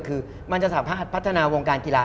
คือมันจะสามารถพัฒนาวงการกีฬา